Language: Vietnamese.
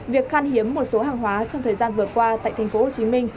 việc khan hiếm một số hàng hóa trong thời gian vừa qua tại tp hcm